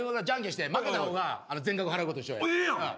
ええやん。